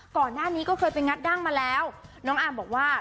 ก่อนหน้านี้ก็เคยไปงัดดั้งมาแล้วน้องอาร์มบอกว่า